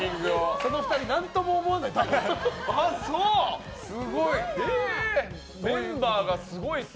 その２人何とも思わないと思うよ。